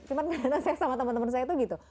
cuma kadang kadang saya sama temen temen saya tuh gitu